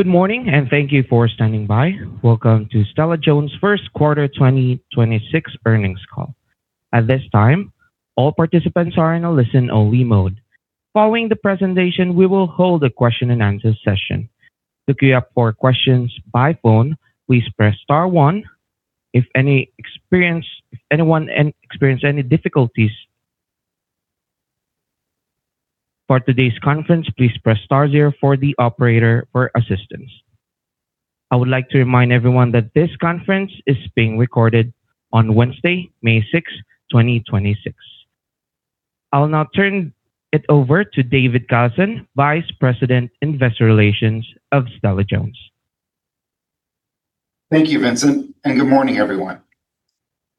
Good morning, and thank you for standing by. Welcome to Stella-Jones' first quarter 2026 earnings call. At this time, all participants are in a listen-only mode. Following the presentation, we will hold a question-and-answer session. To queue up for questions by phone, please press star one. If anyone experience any difficulties for today's conference, please press star zero for the operator for assistance. I would like to remind everyone that this conference is being recorded on Wednesday, May 6th, 2026. I'll now turn it over to David Galison, Vice President, Investor Relations of Stella-Jones. Thank you, Vincent. Good morning, everyone.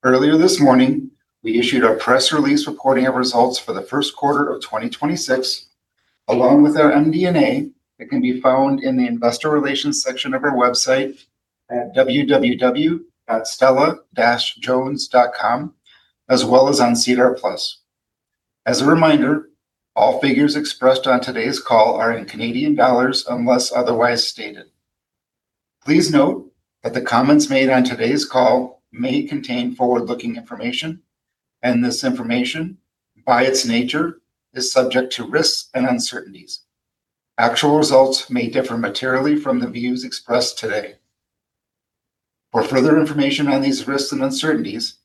Earlier this morning, we issued a press release reporting our results for the first quarter of 2026, along with our MD&A that can be found in the investor relations section of our website at www.stella-jones.com, as well as on SEDAR+. As a reminder, all figures expressed on today's call are in Canadian dollars, unless otherwise stated. Please note that the comments made on today's call may contain forward-looking information, and this information, by its nature, is subject to risks and uncertainties. Actual results may differ materially from the views expressed today. For further information on these risks and uncertainties,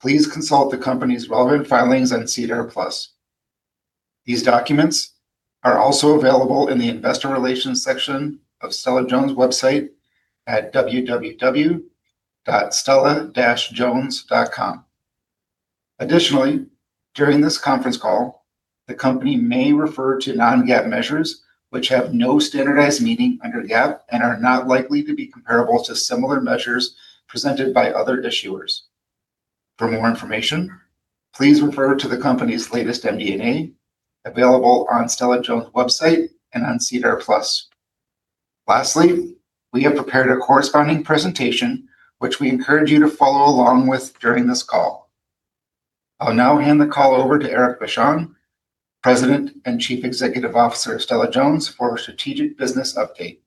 please consult the company's relevant filings on SEDAR+. These documents are also available in the investor relations section of Stella-Jones' website at www.stella-jones.com. Additionally, during this conference call, the company may refer to non-GAAP measures which have no standardized meaning under GAAP and are not likely to be comparable to similar measures presented by other issuers. For more information, please refer to the company's latest MD&A available on Stella-Jones' website and on SEDAR+. Lastly, we have prepared a corresponding presentation which we encourage you to follow along with during this call. I'll now hand the call over to Éric Vachon, President and Chief Executive Officer of Stella-Jones for a strategic business update,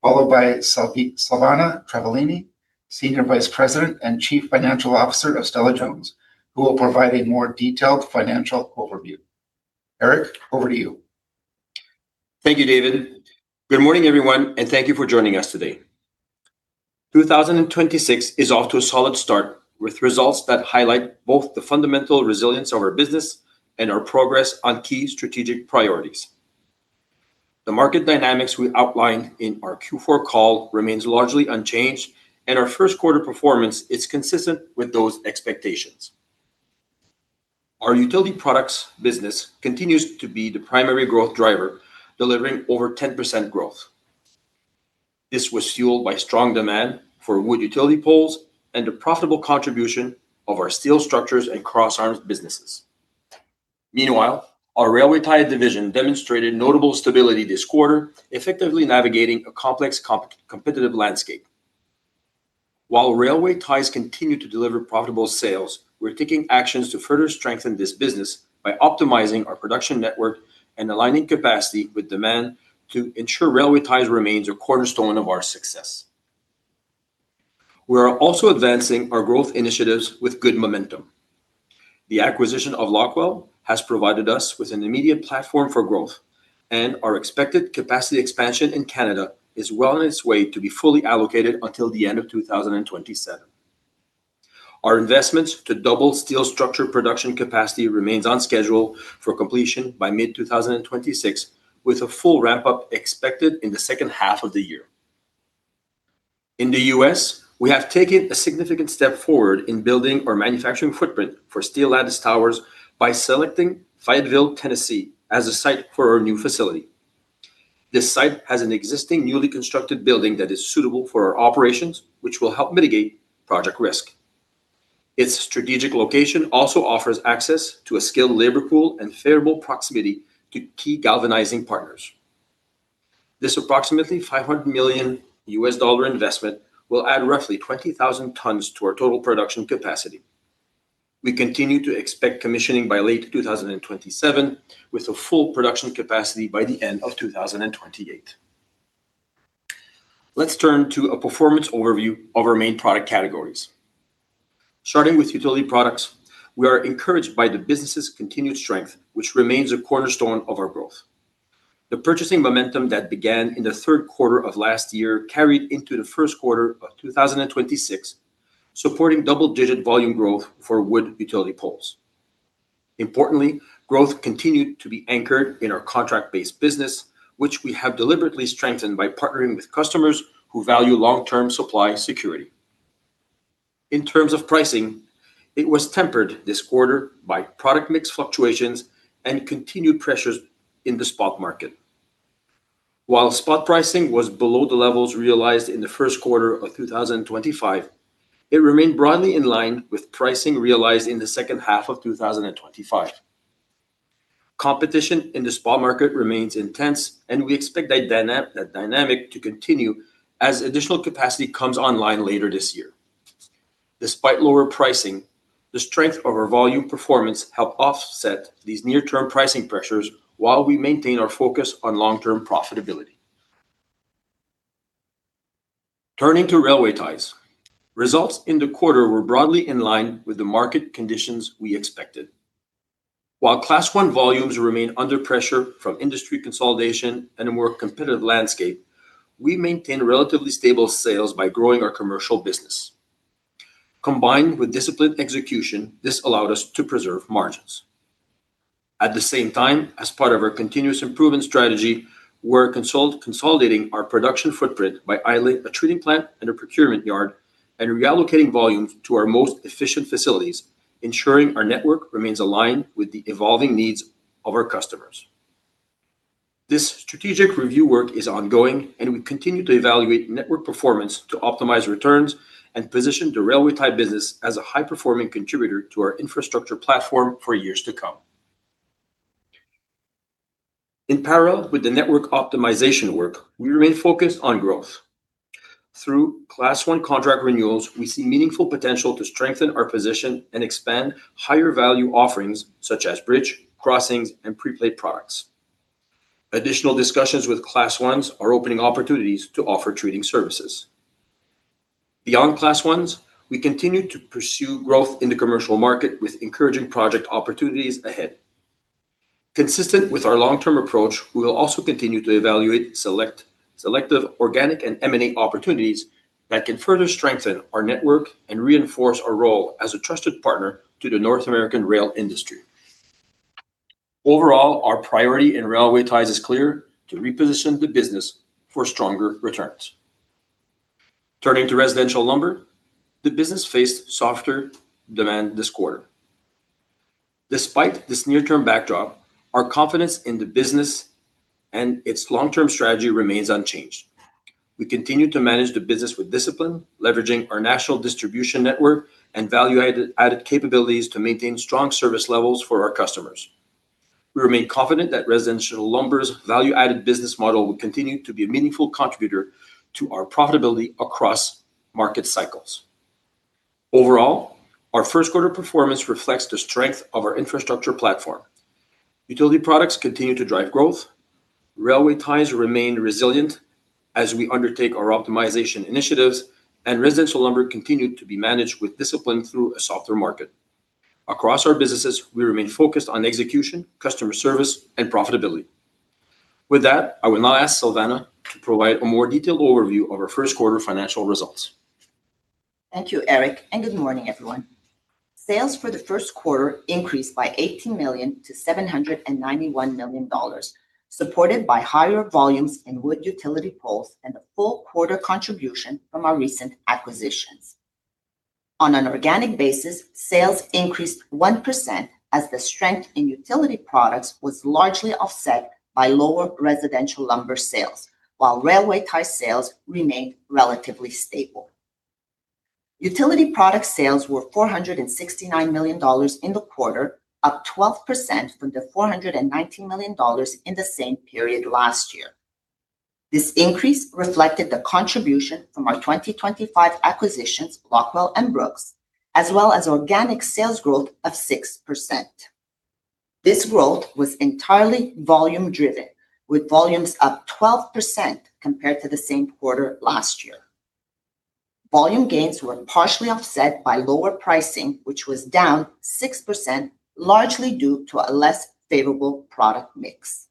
followed by Silvana Travaglini, Senior Vice President and Chief Financial Officer of Stella-Jones, who will provide a more detailed financial overview. Éric, over to you. Thank you, David. Good morning, everyone, and thank you for joining us today. 2026 is off to a solid start with results that highlight both the fundamental resilience of our business and our progress on key strategic priorities. The market dynamics we outlined in our Q4 call remains largely unchanged, and our first quarter performance is consistent with those expectations. Our utility products business continues to be the primary growth driver, delivering over 10% growth. This was fueled by strong demand for wood utility poles and the profitable contribution of our steel structures and crossarms businesses. Meanwhile, our railway tie division demonstrated notable stability this quarter, effectively navigating a complex competitive landscape. While railway ties continue to deliver profitable sales, we're taking actions to further strengthen this business by optimizing our production network and aligning capacity with demand to ensure railway ties remains a cornerstone of our success. We are also advancing our growth initiatives with good momentum. The acquisition of Locweld has provided us with an immediate platform for growth, and our expected capacity expansion in Canada is well on its way to be fully allocated until the end of 2027. Our investments to double steel structure production capacity remains on schedule for completion by mid-2026, with a full ramp-up expected in the second half of the year. In the U.S., we have taken a significant step forward in building our manufacturing footprint for steel lattice towers by selecting Fayetteville, Tennessee as a site for our new facility. This site has an existing newly constructed building that is suitable for our operations, which will help mitigate project risk. Its strategic location also offers access to a skilled labor pool and favorable proximity to key galvanizing partners. This approximately $500 million U.S. dollar investment will add roughly 20,000 tons to our total production capacity. We continue to expect commissioning by late 2027, with a full production capacity by the end of 2028. Let's turn to a performance overview of our main product categories. Starting with utility products, we are encouraged by the business's continued strength, which remains a cornerstone of our growth. The purchasing momentum that began in the third quarter of last year carried into the first quarter of 2026, supporting double-digit volume growth for wood utility poles. Importantly, growth continued to be anchored in our contract-based business, which we have deliberately strengthened by partnering with customers who value long-term supply security. In terms of pricing, it was tempered this quarter by product mix fluctuations and continued pressures in the spot market. While spot pricing was below the levels realized in the first quarter of 2025, it remained broadly in line with pricing realized in the second half of 2025. Competition in the spot market remains intense, and we expect that dynamic to continue as additional capacity comes online later this year. Despite lower pricing, the strength of our volume performance help offset these near-term pricing pressures while we maintain our focus on long-term profitability. Turning to railway ties, results in the quarter were broadly in line with the market conditions we expected. While Class I volumes remain under pressure from industry consolidation and a more competitive landscape, we maintain relatively stable sales by growing our commercial business. Combined with disciplined execution, this allowed us to preserve margins. At the same time, as part of our continuous improvement strategy, we're consolidating our production footprint by idling a treating plant and a procurement yard and reallocating volume to our most efficient facilities, ensuring our network remains aligned with the evolving needs of our customers. This strategic review work is ongoing, and we continue to evaluate network performance to optimize returns and position the railway tie business as a high-performing contributor to our infrastructure platform for years to come. In parallel with the network optimization work, we remain focused on growth. Through Class I contract renewals, we see meaningful potential to strengthen our position and expand higher-value offerings such as bridge, crossings, and preplate products. Additional discussions with Class Is are opening opportunities to offer treating services. Beyond Class Is, we continue to pursue growth in the commercial market with encouraging project opportunities ahead. Consistent with our long-term approach, we will also continue to evaluate selective organic and M&A opportunities that can further strengthen our network and reinforce our role as a trusted partner to the North American rail industry. Overall, our priority in railway ties is clear: to reposition the business for stronger returns. Turning to residential lumber, the business faced softer demand this quarter. Despite this near-term backdrop, our confidence in the business and its long-term strategy remains unchanged. We continue to manage the business with discipline, leveraging our national distribution network and value-added capabilities to maintain strong service levels for our customers. We remain confident that residential lumber's value-added business model will continue to be a meaningful contributor to our profitability across market cycles. Overall, our first quarter performance reflects the strength of our infrastructure platform. Utility products continue to drive growth, railway ties remain resilient as we undertake our optimization initiatives, residential lumber continued to be managed with discipline through a softer market. Across our businesses, we remain focused on execution, customer service, and profitability. With that, I will now ask Silvana to provide a more detailed overview of our first quarter financial results. Thank you, Éric. Good morning, everyone. Sales for the first quarter increased by 18 million-791 million dollars, supported by higher volumes in wood utility poles and the full quarter contribution from our recent acquisitions. On an organic basis, sales increased 1% as the strength in utility products was largely offset by lower residential lumber sales, while railway ties sales remained relatively stable. Utility product sales were 469 million dollars in the quarter, up 12% from the 419 million dollars in the same period last year. This increase reflected the contribution from our 2025 acquisitions, Locweld and Brooks, as well as organic sales growth of 6%. This growth was entirely volume-driven, with volumes up 12% compared to the same quarter last year. Volume gains were partially offset by lower pricing, which was down 6%, largely due to a less favorable product mix.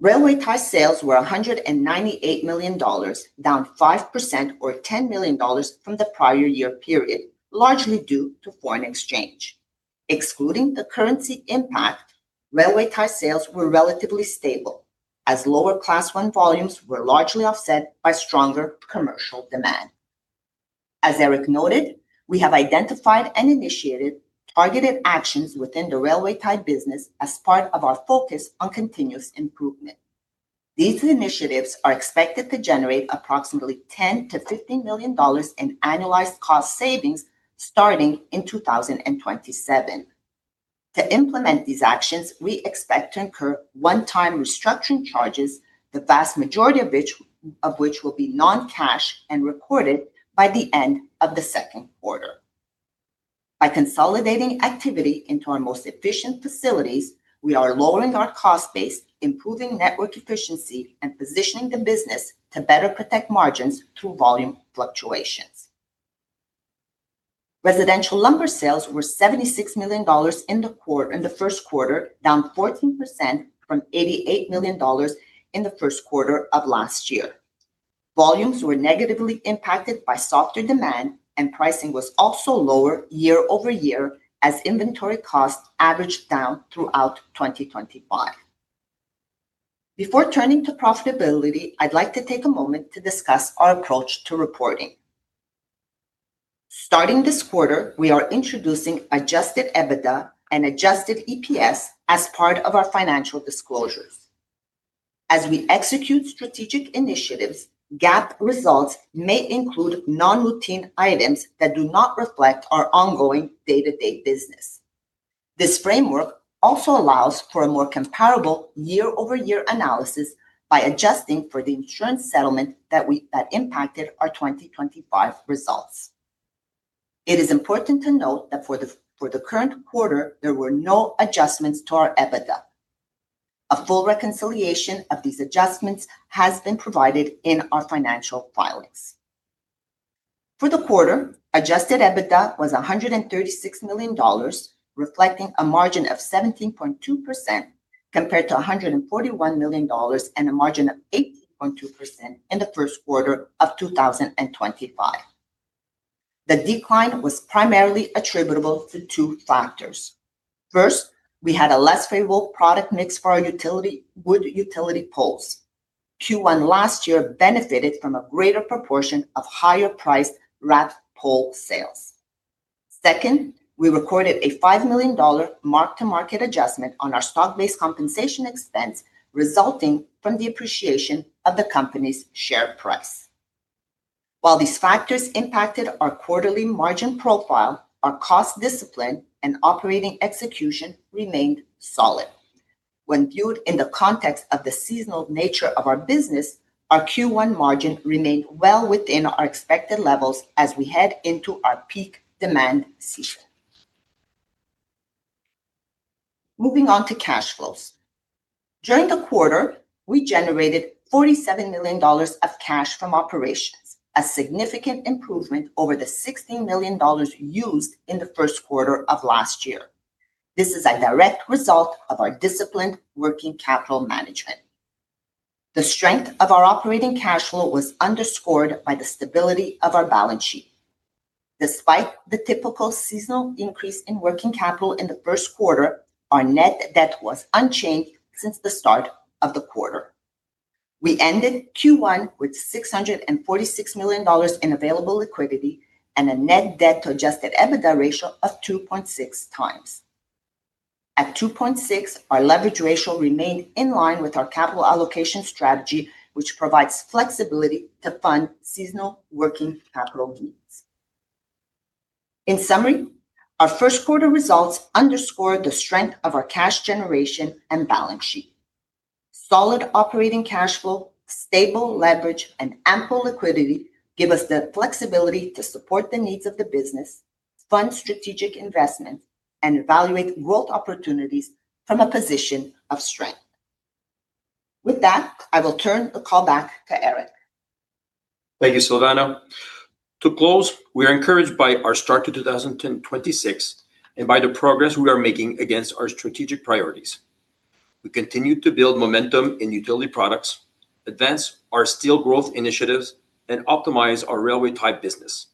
Railway tie sales were 198 million dollars, down 5% or 10 million dollars from the prior year period, largely due to foreign exchange. Excluding the currency impact, railway tie sales were relatively stable as lower Class I volumes were largely offset by stronger commercial demand. As Éric noted, we have identified and initiated targeted actions within the railway tie business as part of our focus on continuous improvement. These initiatives are expected to generate approximately 10 million-15 million dollars in annualized cost savings starting in 2027. To implement these actions, we expect to incur one-time restructuring charges, the vast majority of which will be non-cash and recorded by the end of the second quarter. By consolidating activity into our most efficient facilities, we are lowering our cost base, improving network efficiency, and positioning the business to better protect margins through volume fluctuations. Residential lumber sales were 76 million dollars in the first quarter, down 14% from 88 million dollars in the first quarter of last year. Volumes were negatively impacted by softer demand, pricing was also lower year-over-year as inventory costs averaged down throughout 2025. Before turning to profitability, I'd like to take a moment to discuss our approach to reporting. Starting this quarter, we are introducing adjusted EBITDA and adjusted EPS as part of our financial disclosures. As we execute strategic initiatives, GAAP results may include non-routine items that do not reflect our ongoing day-to-day business. This framework also allows for a more comparable year-over-year analysis by adjusting for the insurance settlement that impacted our 2025 results. It is important to note that for the current quarter, there were no adjustments to our adjusted EBITDA. A full reconciliation of these adjustments has been provided in our financial filings. For the quarter, adjusted EBITDA was 136 million dollars, reflecting a margin of 17.2%, compared to 141 million dollars and a margin of 18.2% in the first quarter of 2025. The decline was primarily attributable to two factors. First, we had a less favorable product mix for our wood utility poles. Q1 last year benefited from a greater proportion of higher priced wrapped pole sales. Second, we recorded a 5 million dollar mark-to-market adjustment on our stock-based compensation expense resulting from the appreciation of the company's share price. While these factors impacted our quarterly margin profile, our cost discipline and operating execution remained solid. When viewed in the context of the seasonal nature of our business, our Q1 margin remained well within our expected levels as we head into our peak demand season. Moving on to cash flows. During the quarter, we generated 47 million dollars of cash from operations, a significant improvement over the 60 million dollars used in the first quarter of last year. This is a direct result of our disciplined working capital management. The strength of our operating cash flow was underscored by the stability of our balance sheet. Despite the typical seasonal increase in working capital in the first quarter, our net debt was unchanged since the start of the quarter. We ended Q1 with 646 million dollars in available liquidity and a net debt to adjusted EBITDA ratio of 2.6x. At 2.6, our leverage ratio remained in line with our capital allocation strategy, which provides flexibility to fund seasonal working capital needs. In summary, our first quarter results underscore the strength of our cash generation and balance sheet. Solid operating cash flow, stable leverage, and ample liquidity give us the flexibility to support the needs of the business, fund strategic investment, and evaluate growth opportunities from a position of strength. With that, I will turn the call back to Éric. Thank you, Silvana. To close, we are encouraged by our start to 2026 and by the progress we are making against our strategic priorities. We continue to build momentum in utility products, advance our steel growth initiatives, and optimize our railway tie business.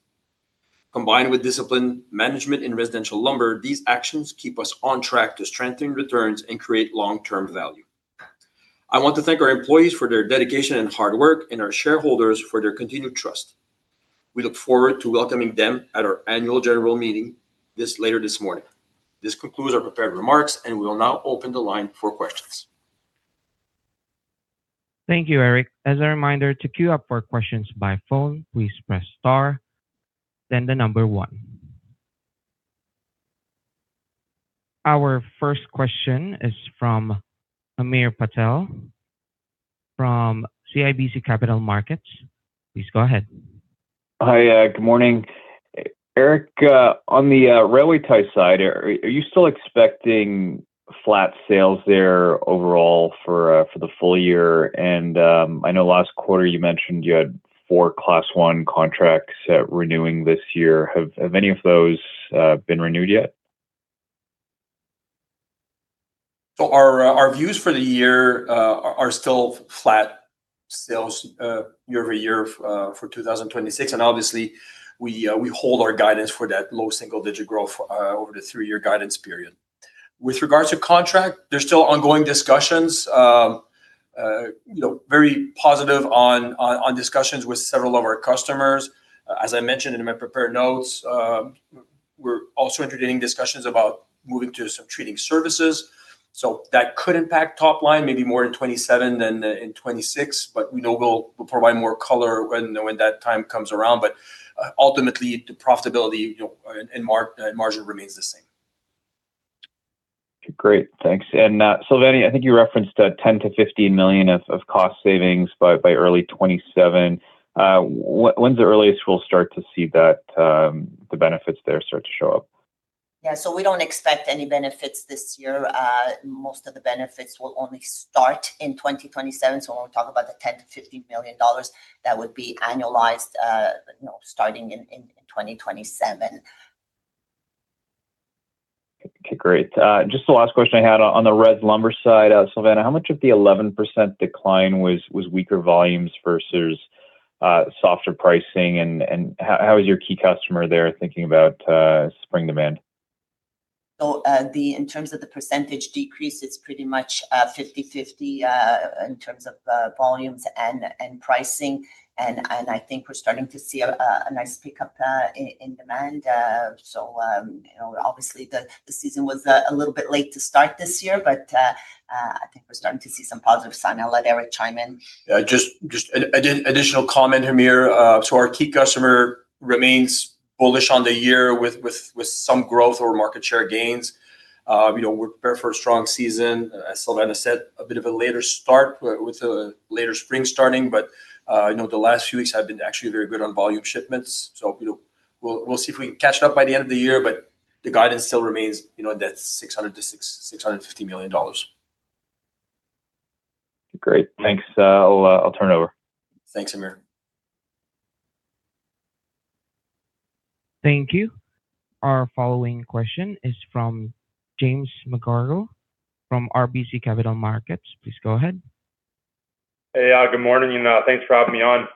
Combined with disciplined management in residential lumber, these actions keep us on track to strengthen returns and create long-term value. I want to thank our employees for their dedication and hard work and our shareholders for their continued trust. We look forward to welcoming them at our annual general meeting later this morning. This concludes our prepared remarks, and we will now open the line for questions. Thank you, Éric. As a reminder to queue up for questions by phone, please press star, then the number one. Our first question is from Hamir Patel from CIBC Capital Markets. Please go ahead. Hi, good morning. Éric, on the railway tie side, are you still expecting flat sales there overall for the full year? I know last quarter you mentioned you had four Class I contracts renewing this year. Have any of those been renewed yet? Our views for the year are still flat sales year-over-year for 2026. Obviously, we hold our guidance for that low single-digit growth over the three-year guidance period. With regards to contract, there's still ongoing discussions. You know, very positive on discussions with several of our customers. As I mentioned in my prepared notes, we're also entertaining discussions about moving to some treating services. That could impact top line maybe more in 2027 than in 2026. We know we'll provide more color when that time comes around. Ultimately, the profitability, you know, and margin remains the same. Okay. Great. Thanks. Silvana, I think you referenced 10 million-15 million of cost savings by early 2027. When's the earliest we'll start to see that the benefits there start to show up? Yeah, we don't expect any benefits this year. Most of the benefits will only start in 2027. When we talk about the 10 million-15 million dollars, that would be annualized, you know, starting in 2027. Okay, great. Just the last question I had. On the res lumber side, Silvana, how much of the 11% decline was weaker volumes versus softer pricing? How is your key customer there thinking about spring demand? The, in terms of the percentage decrease, it's pretty much 50/50, in terms of volumes and pricing. I think we're starting to see a nice pickup in demand. You know, obviously the season was a little bit late to start this year, but, I think we're starting to see some positive signs. I'll let Éric chime in. Just an additional comment, Hamir. Our key customer remains bullish on the year with some growth or market share gains. You know, we're prepared for a strong season. As Silvana said, a bit of a later start with a later spring starting, you know, the last few weeks have been actually very good on volume shipments. We'll see if we can catch it up by the end of the year, the guidance still remains, you know, at that 600 million-650 million dollars. Great. Thanks. I'll turn it over. Thanks, Hamir. Thank you. Our following question is from James McGarragle from RBC Capital Markets. Please go ahead. Hey, good morning, and thanks for having me on.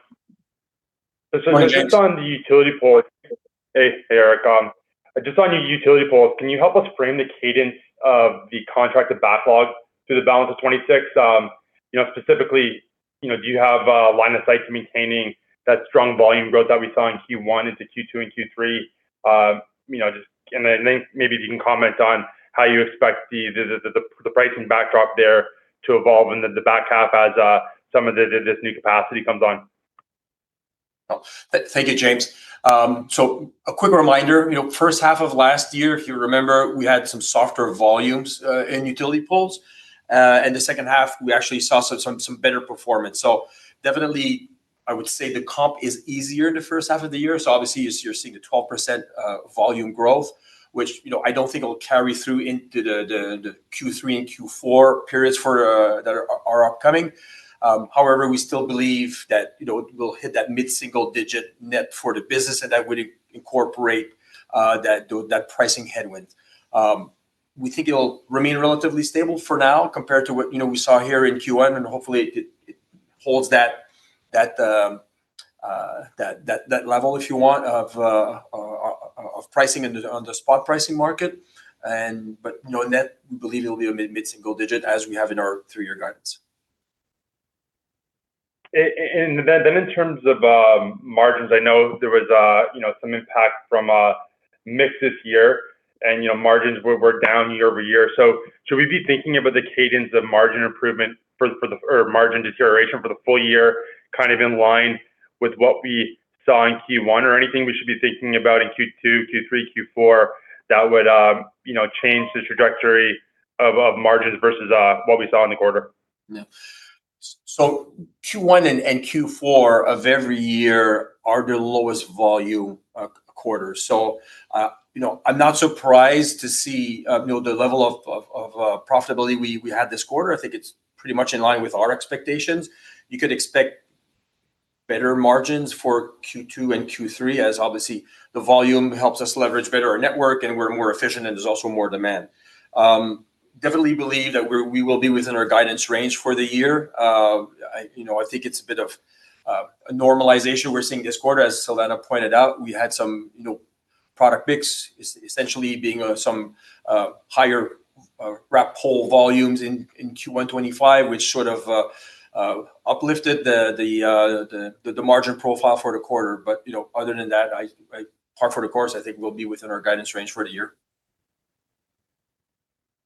Why don't you- Just on the utility pole. Hey, Éric. Just on your utility poles, can you help us frame the cadence of the contracted backlog through the balance of 2026? You know, specifically, you know, do you have a line of sight to maintaining that strong volume growth that we saw in Q1 into Q2 and Q3? You know, maybe if you can comment on how you expect the pricing backdrop there to evolve in the back half as some of this new capacity comes on. Thank you, James. A quick reminder, you know, first half of last year, if you remember, we had some softer volumes in utility poles. In the second half we actually saw some better performance. Definitely I would say the comp is easier in the first half of the year. Obviously you're seeing a 12% volume growth, which, you know, I don't think it'll carry through into the Q3 and Q4 periods that are upcoming. However, we still believe that, you know, we'll hit that mid-single digit net for the business and that would incorporate that pricing headwind. We think it'll remain relatively stable for now compared to what, you know, we saw here in Q1 and hopefully it holds that level if you want of pricing in the, on the spot pricing market. Net, you know, we believe it'll be a mid-single digit as we have in our three-year guidance. And then in terms of margins, I know there was, you know, some impact from mix this year and, you know, margins were down year-over-year. Should we be thinking about the cadence of margin improvement for the, or margin deterioration for the full year kind of in line with what we saw in Q1? Anything we should be thinking about in Q2, Q3, Q4 that would, you know, change the trajectory of margins versus what we saw in the quarter? Yeah. Q1 and Q4 of every year are the lowest volume quarters. You know, I'm not surprised to see, you know, the level of profitability we had this quarter. I think it's pretty much in line with our expectations. You could expect better margins for Q2 and Q3 as obviously the volume helps us leverage better our network and we're more efficient and there's also more demand. Definitely believe that we will be within our guidance range for the year. I, you know, I think it's a bit of a normalization we're seeing this quarter. As Silvana pointed out, we had some, you know, product mix essentially being some higher wrapped pole volumes in Q1 2025, which sort of uplifted the margin profile for the quarter. You know, other than that, par for the course, I think we'll be within our guidance range for the year.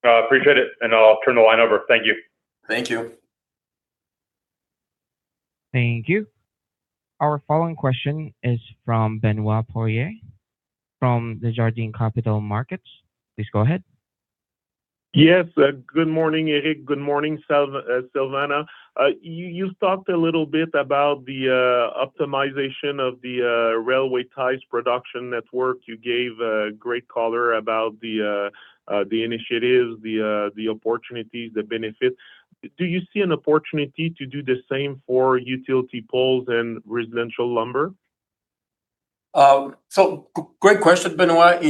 Appreciate it, and I'll turn the line over. Thank you. Thank you. Thank you. Our following question is from Benoit Poirier from the Desjardins Capital Markets. Please go ahead. Yes. Good morning, Éric. Good morning, Silvana. You talked a little bit about the optimization of the railway ties production network. You gave a great color about the initiatives, the opportunities, the benefits. Do you see an opportunity to do the same for utility poles and residential lumber? Great question, Benoit.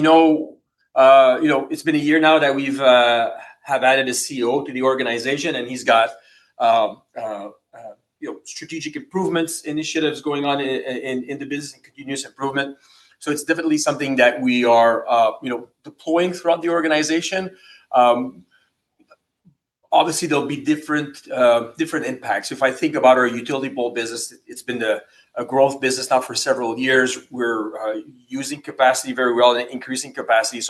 You know, it's been a year now that we've added a COO to the organization, and he's got, you know, strategic improvements initiatives going on in the business and continuous improvement. It's definitely something that we are, you know, deploying throughout the organization. Obviously there'll be different impacts. If I think about our utility pole business, it's been a growth business now for several years. We're using capacity very well and increasing capacity.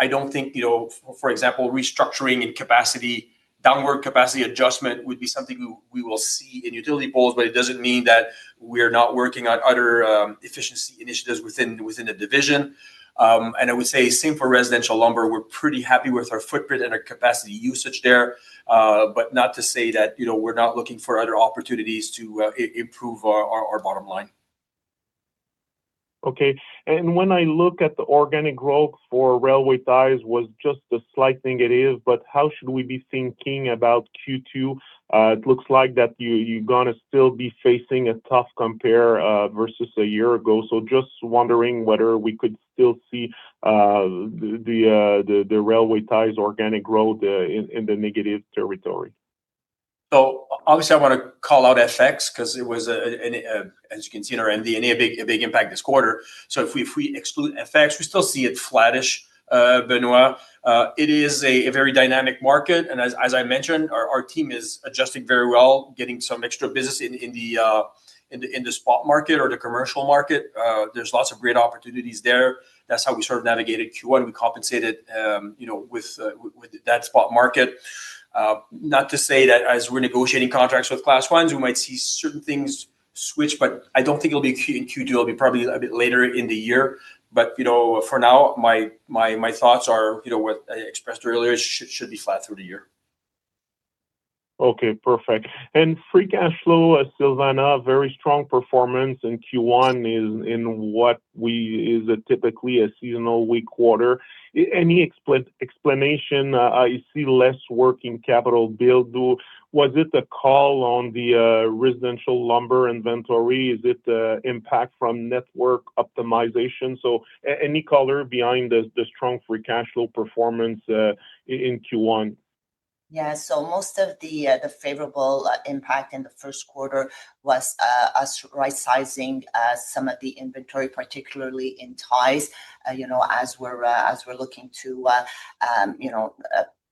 I don't think, you know, for example, restructuring and capacity, downward capacity adjustment would be something we will see in utility poles, but it doesn't mean that we're not working on other efficiency initiatives within the division. I would say same for residential lumber. We're pretty happy with our footprint and our capacity usage there. Not to say that, you know, we're not looking for other opportunities to improve our bottom line. Okay. When I look at the organic growth for railway ties was just the slight thing it is, how should we be thinking about Q2? It looks like that you're gonna still be facing a tough compare versus a year ago. Just wondering whether we could still see the railway ties organic growth in the negative territory. Obviously I want to call out FX because it was a big impact this quarter. If we exclude FX, we still see it flattish, Benoit. It is a very dynamic market and as I mentioned, our team is adjusting very well, getting some extra business in the spot market or the commercial market. There's lots of great opportunities there. That's how we sort of navigated Q1. We compensated, you know, with that spot market. Not to say that as we're negotiating contracts with Class I, we might see certain things switch, but I don't think it'll be in Q2. It'll be probably a bit later in the year. You know, for now my thoughts are, you know, what I expressed earlier, should be flat through the year. Okay, perfect. Free cash flow, Silvana, very strong performance in Q1 in what we is a typically a seasonal weak quarter. Any explanation, I see less working capital build. Was it the call on the residential lumber inventory? Is it impact from network optimization? Any color behind the strong free cash flow performance in Q1? Yeah. Most of the favorable impact in the first quarter was us right-sizing some of the inventory, particularly in ties, you know, as we're looking to, you know,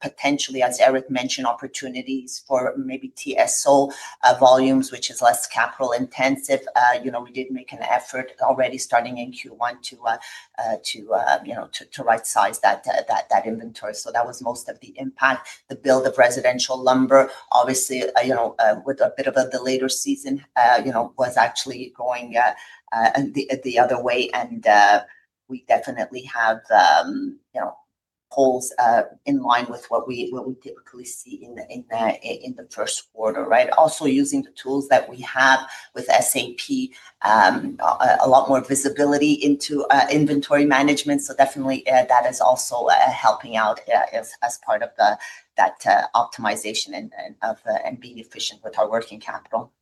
potentially, as Éric mentioned, opportunities for maybe TSO volumes, which is less capital intensive. You know, we did make an effort already starting in Q1 to, you know, to right-size that inventory. That was most of the impact. The build of residential lumber, obviously, you know, with a bit of the later season, you know, was actually going the other way. We definitely have, you know, poles in line with what we, what we typically see in the first quarter. Also, using the tools that we have with SAP, a lot more visibility into inventory management. Definitely, that is also helping out as part of that optimization and being efficient with our working capital.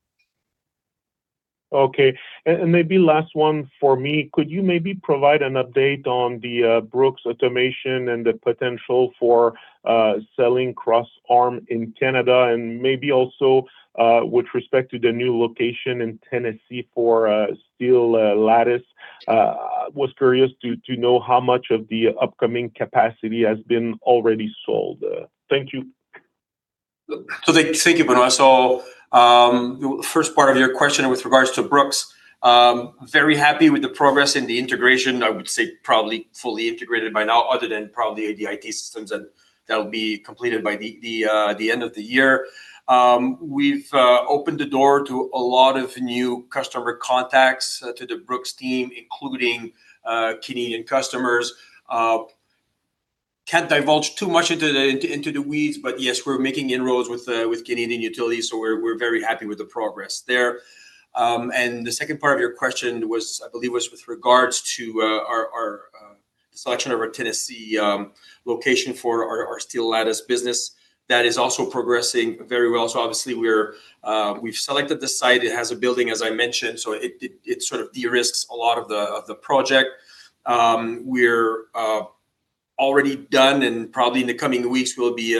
Okay. Maybe last one for me. Could you maybe provide an update on the Brooks automation and the potential for selling crossarms in Canada? Maybe also, with respect to the new location in Tennessee for steel lattice, was curious to know how much of the upcoming capacity has been already sold. Thank you. Thank you, Benoit. The first part of your question with regards to Brooks, very happy with the progress in the integration. I would say probably fully integrated by now other than probably the IT systems, and that'll be completed by the end of the year. We've opened the door to a lot of new customer contacts to the Brooks team, including Canadian customers. Can't divulge too much into the weeds, but yes, we're making inroads with Canadian utilities, so we're very happy with the progress there. The second part of your question was, I believe, was with regards to our selection of our Tennessee location for our steel lattice business. That is also progressing very well. Obviously we've selected the site. It has a building, as I mentioned, so it sort of de-risks a lot of the project. We're already done and probably in the coming weeks we'll be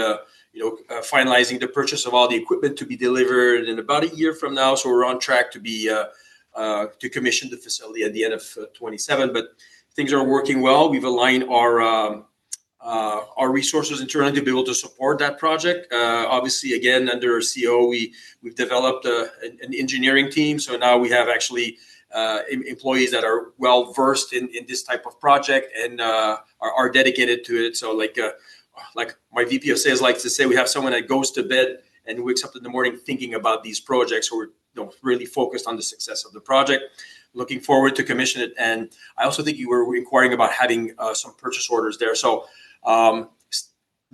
finalizing the purchase of all the equipment to be delivered in about a year from now, so we're on track to be to commission the facility at the end of 2027. Things are working well. We've aligned our resources internally to be able to support that project. Obviously, again, under our COO, we've developed an engineering team, so now we have actually employees that are well-versed in this type of project and are dedicated to it. Like my VP of sales likes to say, we have someone that goes to bed and wakes up in the morning thinking about these projects. We're, you know, really focused on the success of the project. Looking forward to commission it. I also think you were inquiring about having some purchase orders there.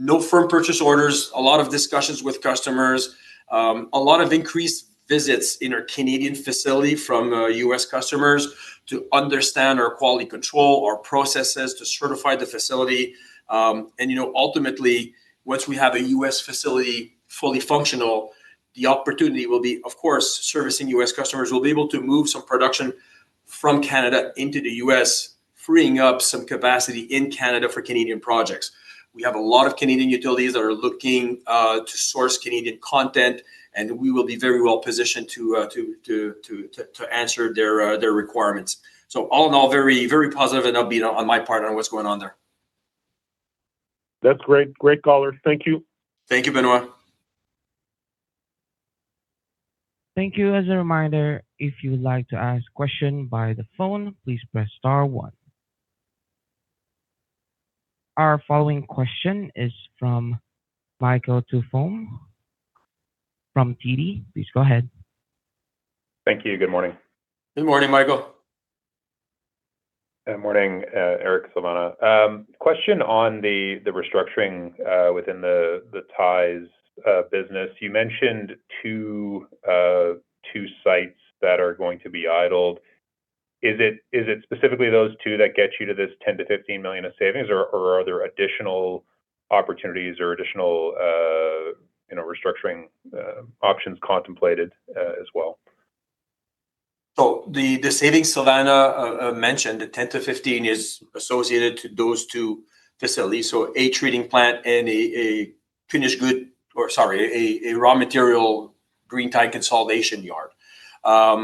No firm purchase orders, a lot of discussions with customers, a lot of increased visits in our Canadian facility from U.S. customers to understand our quality control, our processes to certify the facility. You know, ultimately, once we have a U.S. facility fully functional, the opportunity will be, of course, servicing U.S. customers. We'll be able to move some production from Canada into the U.S., freeing up some capacity in Canada for Canadian projects. We have a lot of Canadian utilities that are looking to source Canadian content, and we will be very well positioned to answer their requirements. All in all, very, very positive. I'll be on my part on what's going on there. That's great. Great color. Thank you. Thank you, Benoit. Thank you. As a reminder, if you would like to ask question by the phone, please press star one. Our following question is from Michael Tupholme from TD. Please go ahead. Thank you. Good morning. Good morning, Michael. Good morning, Éric, Silvana. Question on the restructuring within the ties business. You mentioned two sites that are going to be idled. Is it specifically those two that get you to this 10 million-15 million of savings, or are there additional opportunities or additional, you know, restructuring options contemplated as well? The savings Silvana mentioned, the 10 miliion-CAD 15 million, is associated to those two facilities. A treating plant and a finished good or sorry, a raw material green tie consolidation yard. As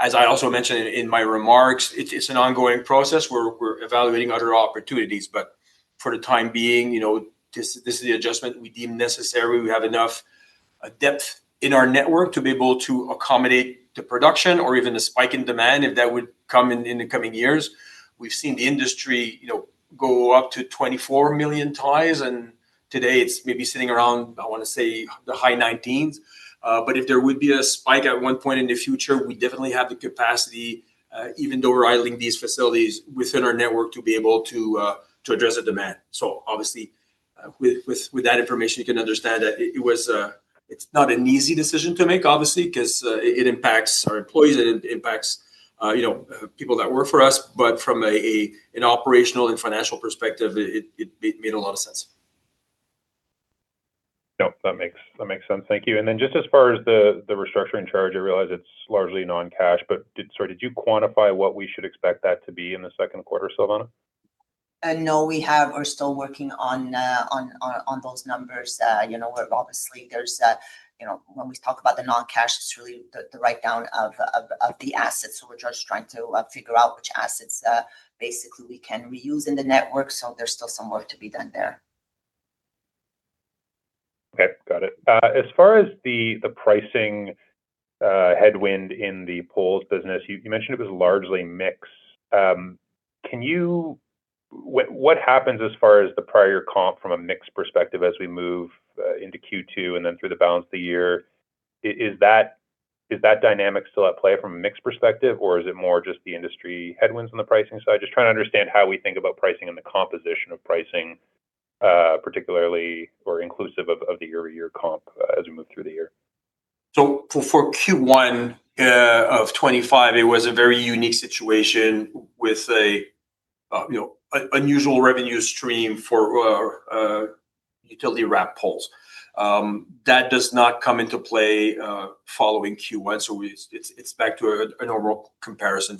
I also mentioned in my remarks, it's an ongoing process. We're evaluating other opportunities, but for the time being, you know, this is the adjustment we deem necessary. We have enough depth in our network to be able to accommodate the production or even a spike in demand if that would come in the coming years. We've seen the industry, you know, go up to 24 million ties, and today it's maybe sitting around, I wanna say, the high 19s. If there would be a spike at one point in the future, we definitely have the capacity, even though we're idling these facilities, within our network to be able to address the demand. With that information, you can understand that it was, it's not an easy decision to make, obviously, 'cause it impacts our employees and it impacts, you know, people that work for us. From an operational and financial perspective, it made a lot of sense. Yep, that makes sense. Thank you. Just as far as the restructuring charge, I realize it's largely non-cash, did you quantify what we should expect that to be in the second quarter, Silvana? No, we're still working on those numbers. You know, where obviously there's a, you know, when we talk about the non-cash, it's really the write-down of the assets. We're just trying to figure out which assets, basically we can reuse in the network. There's still some work to be done there. Okay. Got it. As far as the pricing headwind in the poles business, you mentioned it was largely mix. What happens as far as the prior comp from a mix perspective as we move into Q2 and then through the balance of the year? Is that dynamic still at play from a mix perspective, or is it more just the industry headwinds on the pricing side? Just trying to understand how we think about pricing and the composition of pricing, particularly or inclusive of the year-over-year comp, as we move through the year? For Q1 of 2025, it was a very unique situation with a, you know, unusual revenue stream for utility wrapped poles. That does not come into play following Q1, it is back to a normal comparison.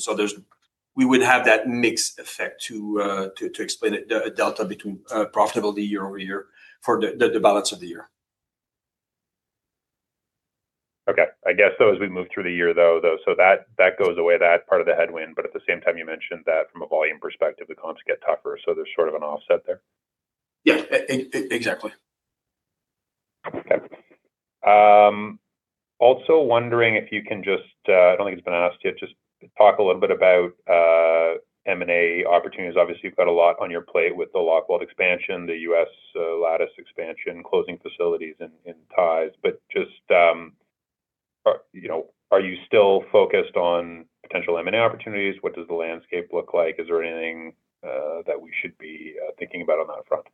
We would have that mix effect to explain it, the delta between profitability year-over-year for the balance of the year. Okay. I guess though as we move through the year though, that goes away, that part of the headwind, but at the same time you mentioned that from a volume perspective, the comps get tougher, there's sort of an offset there. Yeah. Exactly. Okay. Also wondering if you can just, I don't think it's been asked yet, just talk a little bit about M&A opportunities. Obviously, you've got a lot on your plate with the Logwall expansion, the U.S. lattice expansion, closing facilities in ties, but just, you know, are you still focused on potential M&A opportunities? What does the landscape look like? Is there anything that we should be thinking about on that front?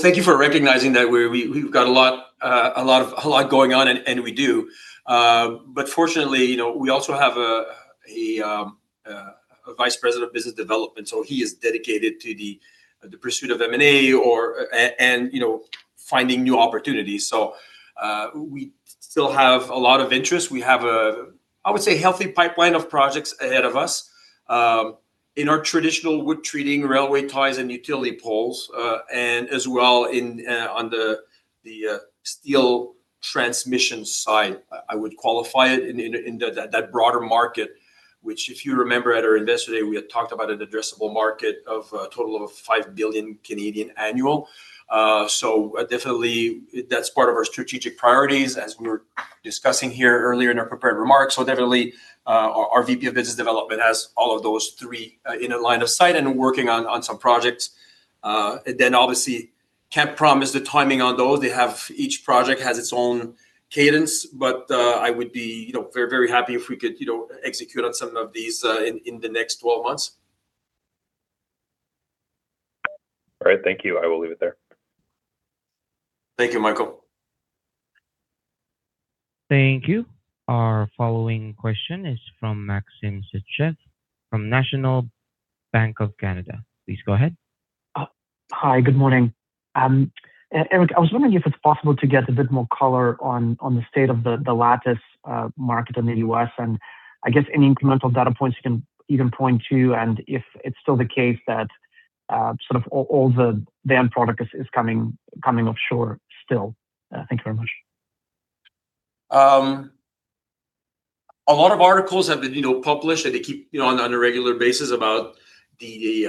Thank you for recognizing that we've got a lot going on, and we do. Fortunately, you know, we also have a Vice President of Business Development, so he is dedicated to the pursuit of M&A or and, you know, finding new opportunities. We still have a lot of interest. We have a, I would say, healthy pipeline of projects ahead of us in our traditional wood treating railway ties and utility poles, and as well in on the steel transmission side. I would qualify it in that broader market, which if you remember at our Investor Day, we had talked about an addressable market of a total of 5 billion annual. Definitely that's part of our strategic priorities as we were discussing here earlier in our prepared remarks. Definitely, our VP of Business Development has all of those three in the line of sight and working on some projects. Obviously can't promise the timing on those. Each project has its own cadence, but I would be, you know, very, very happy if we could, you know, execute on some of these in the next 12 months. All right. Thank you. I will leave it there. Thank you, Michael. Thank you. Our following question is from Maxim Sytchev from National Bank of Canada. Please go ahead. Hi, good morning. Éric, I was wondering if it's possible to get a bit more color on the state of the lattice market in the U.S., and I guess any incremental data points you can even point to, and if it's still the case that sort of all the end product is coming offshore still. Thank you very much. A lot of articles have been, you know, published, and they keep, you know, on a regular basis about the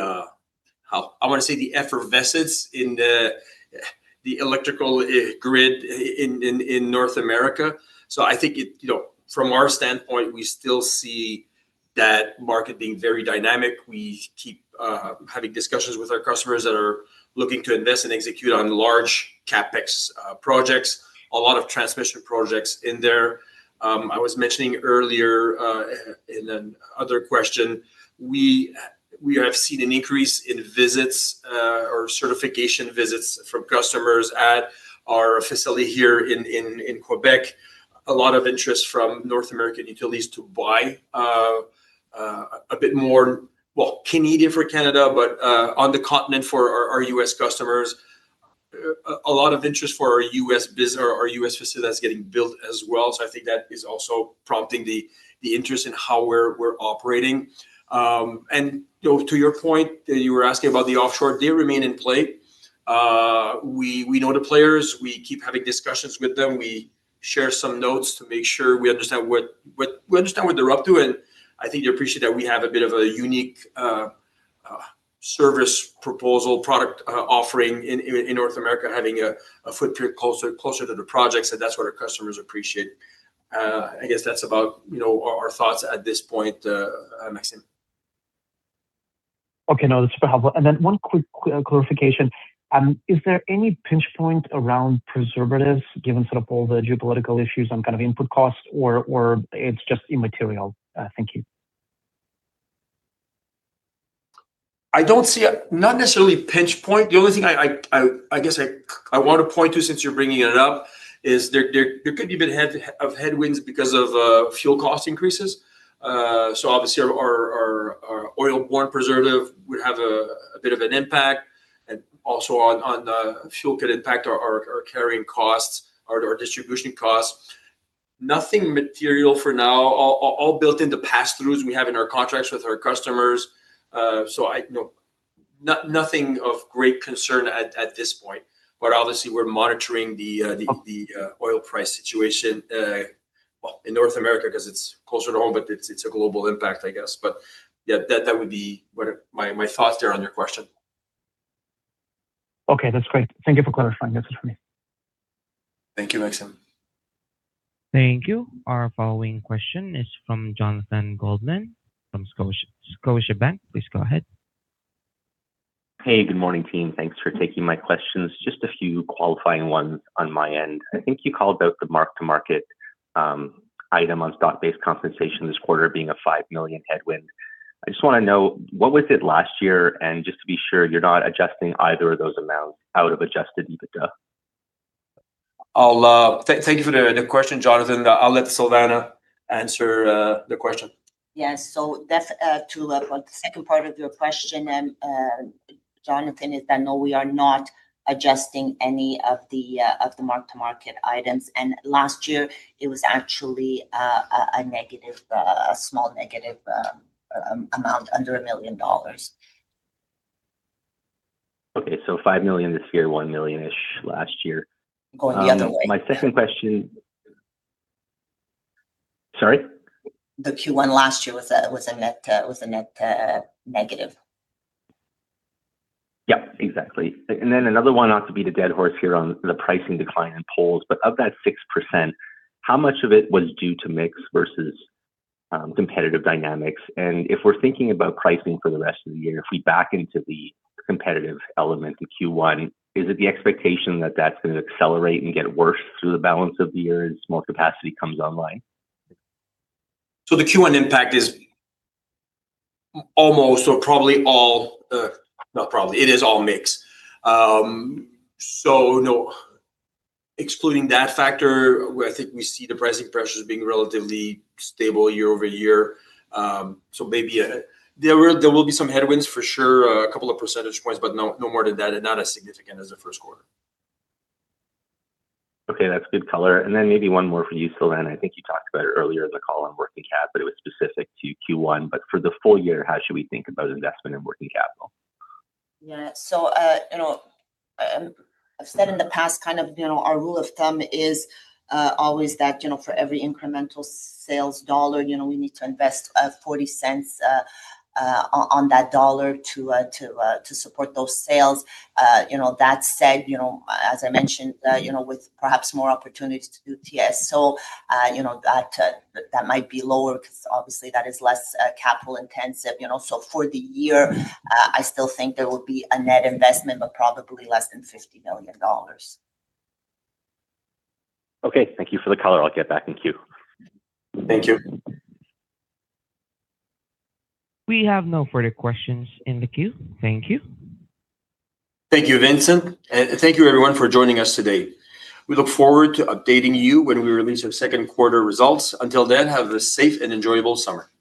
effervescence in the electrical grid in North America. I think it, you know, from our standpoint, we still see that market being very dynamic. We keep having discussions with our customers that are looking to invest and execute on large CapEx projects. A lot of transmission projects in there. I was mentioning earlier, in another question, we have seen an increase in visits or certification visits from customers at our facility here in Quebec. A lot of interest from North American utilities to buy a bit more, well, Canadian for Canada, but on the continent for our U.S. customers. A lot of interest for our U.S. business or our U.S. facility that's getting built as well. I think that is also prompting the interest in how we're operating. You know, to your point, you were asking about the offshore, they remain in play. We know the players. We keep having discussions with them. We share some notes to make sure we understand what they're up to, and I think they appreciate that we have a bit of a unique service proposal, product offering in North America, having a footprint closer to the projects, and that's what our customers appreciate. I guess that's about, you know, our thoughts at this point, Maxim. Okay. No, that's super helpful. One quick clarification. Is there any pinch point around preservatives given sort of all the geopolitical issues on kind of input costs, or it's just immaterial? Thank you. I don't see not necessarily a pinch point. The only thing I guess I wanna point to since you're bringing it up is there could be a bit of headwinds because of fuel cost increases. Obviously our oil-borne preservative would have a bit of an impact and also on the fuel could impact our carrying costs, our distribution costs. Nothing material for now. All built into passthroughs we have in our contracts with our customers. No. Nothing of great concern at this point, obviously we're monitoring the oil price situation, well, in North America 'cause it's closer to home, but it's a global impact, I guess. Yeah, that would be what are my thoughts are on your question. Okay, that's great. Thank you for clarifying this for me. Thank you, Maxim. Thank you. Our following question is from Jonathan Goldman from Scotiabank. Please go ahead. Hey, good morning, team. Thanks for taking my questions. Just a few qualifying ones on my end. I think you called out the mark-to-market item on stock-based compensation this quarter being a 5 million headwind. I just wanna know, what was it last year? Just to be sure you're not adjusting either of those amounts out of adjusted EBITDA. I'll, thank you for the question, Jonathan. I'll let Silvana answer the question. Yes. That's to on the second part of your question, Jonathan, is that no, we are not adjusting any of the of the mark-to-market items, and last year it was actually a small negative amount, under 1 million dollars. Okay, 5 million this year, 1 million-ish last year. Going the other way, yeah. My second question. Sorry? The Q1 last year was a net negative. Yeah, exactly. And then another one, not to beat a dead horse here on the pricing decline in poles, but of that 6%, how much of it was due to mix versus competitive dynamics? If we're thinking about pricing for the rest of the year, if we back into the competitive element in Q1, is it the expectation that that's gonna accelerate and get worse through the balance of the year as more capacity comes online? The Q1 impact is almost or probably all, Not probably. It is all mix. Excluding that factor, I think we see the pricing pressures being relatively stable year-over-year. Maybe there will be some headwinds for sure, a couple of percentage points, but no more than that, and not as significant as the first quarter. Okay, that's good color. Maybe one more for you, Silvana. I think you talked about it earlier in the call on working cap, but it was specific to Q1. For the full year, how should we think about investment in working capital? Yeah. You know, I've said in the past kind of, you know, our rule of thumb is always that, you know, for every incremental sales dollar, you know, we need to invest 0.40 on that dollar to support those sales. You know, that said, you know, as I mentioned, you know, with perhaps more opportunities to do TSO, you know, that might be lower 'cause obviously that is less capital-intensive. You know, for the year, I still think there will be a net investment, but probably less than 50 million dollars. Okay, thank you for the color. I'll get back in queue. Thank you. We have no further questions in the queue. Thank you. Thank you, Vincent. Thank you everyone for joining us today. We look forward to updating you when we release our second quarter results. Until then, have a safe and enjoyable summer.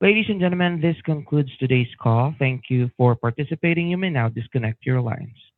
Ladies and gentlemen, this concludes today's call. Thank you for participating. You may now disconnect your lines.